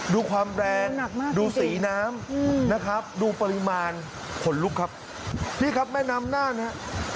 ดูความแรงดูสีน้ำนะครับดูปริมาณขนลุกครับนี่ครับแม่น้ำน่านฮะ